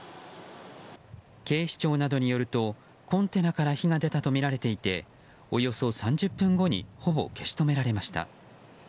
警視庁などによるとコンテナから火が出たとみられていておよそ３０分後にほぼ消し止められました。